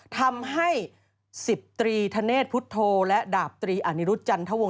ทำให้๑๐ตรีธเนธพุทธโทและดาบ๓อนิรุจรรย์ทะวง